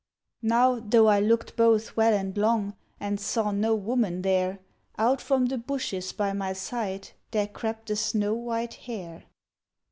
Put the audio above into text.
Now, though I looked both well and long, And saw no woman there, Out from the bushes by my side There crept a snow white hare.